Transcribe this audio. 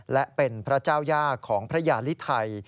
และเป็นพระเจ้าย่าของพระยาลิไทย